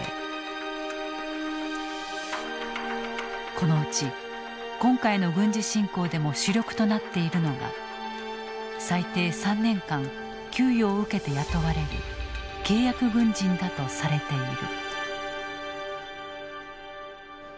このうち今回の軍事侵攻でも主力となっているのが最低３年間給与を受けて雇われる契約軍人だとされている。